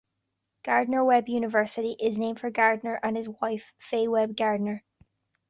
Gardner-Webb University is named for Gardner and his wife, Fay Webb Gardner.